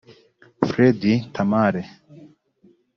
Fred Tamale